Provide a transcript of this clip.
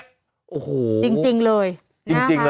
โอ้โหจริงเลยน่าไหว